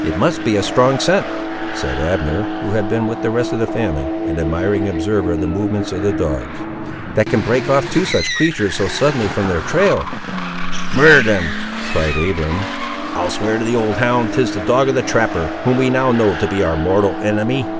"It must be a strong scent," said Abner, who had been, with the rest of the family, an admiring observer of the movements of the dogs, "that can break off two such creatur's so suddenly from their trail." "Murder them!" cried Abiram; "I'll swear to the old hound; 'tis the dog of the trapper, whom we now know to be our mortal enemy."